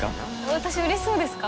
私うれしそうですか？